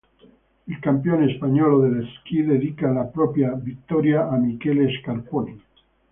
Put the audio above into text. Il campione spagnolo della Sky dedica la propria vittoria a Michele Scarponi.